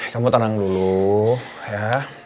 kamu tenang dulu ya